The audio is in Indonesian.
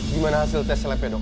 gimana hasil tes selebnya dok